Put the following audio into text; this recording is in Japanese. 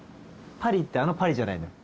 パリってあのパリじゃないのよ。